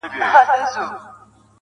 o پاس پر پالنگه اكثر.